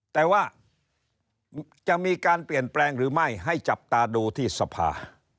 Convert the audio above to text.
แต่ว่าจะมีการเปลี่ยนแปลงหรือไม่ให้จับตาดูที่สภา